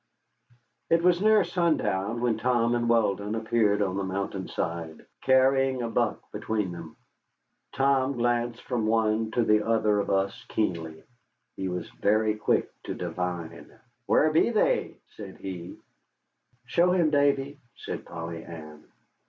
It was near sundown when Tom and Weldon appeared on the mountain side carrying a buck between them. Tom glanced from one to the other of us keenly. He was very quick to divine. "Whar be they?" said he. "Show him, Davy," said Polly Ann.